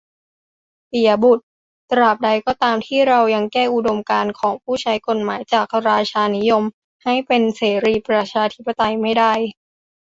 ปิยะบุตร : ตราบใดก็ตามที่เรายังแก้อุดมการณ์ของผู้ใช้กฎหมาย จากราชานิยม ให้เป็นเสรีประชาธิปไตยไม่ได้